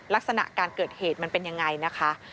ลักษณะการเกิดเหตุมันเป็นยังไงนะคะ